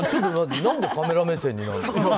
何でカメラ目線なの？